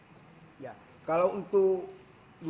ya pasti nyatanya anak anak libur